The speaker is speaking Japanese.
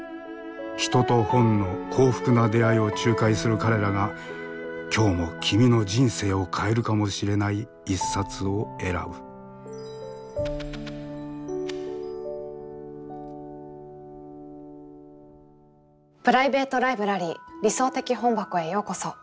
人と本の幸福な出会いを仲介する彼らが今日も君の人生を変えるかもしれない一冊を選ぶプライベート・ライブラリー「理想的本箱」へようこそ。